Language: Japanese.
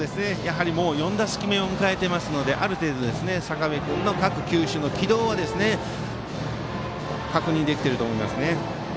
４打席目を迎えているのである程度、坂部君の各球種の軌道確認できていると思います。